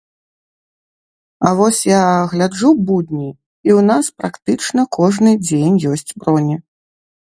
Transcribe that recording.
А вось я гляджу будні, і ў нас практычна кожны дзень ёсць броні.